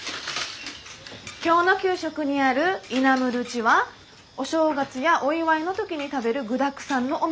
今日の給食にあるイナムドゥチはお正月やお祝いの時に食べる具だくさんのおみそ汁です。